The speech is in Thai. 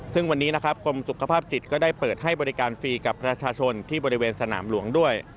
ซึ่งวันนี้ครับกรมสุขภาพจิตได้เปิดให้บริการฟรีกับประชาชนที่สนามหลวง